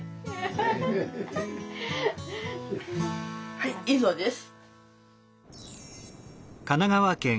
はい以上です。